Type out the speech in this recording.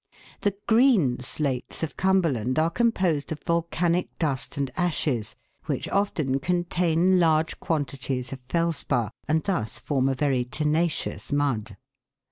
The "green slates " of Cumberland are composed ot volcanic dust and ashes, which often contain large quan tities of felspar, and thus form a very tenacious mud.